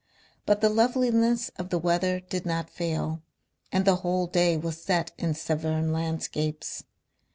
But the loveliness of the weather did not fail, and the whole day was set in Severn landscapes.